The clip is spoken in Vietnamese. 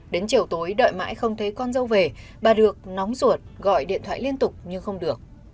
đến chiều tối đợi mãi không thấy con dâu về bà được nóng ruột gọi điện thoại liên tục nhưng không được